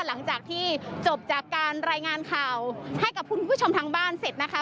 หลังจากที่จบจากการรายงานข่าวให้กับคุณผู้ชมทางบ้านเสร็จนะคะ